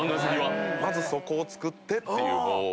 まずそこを作ってっていう。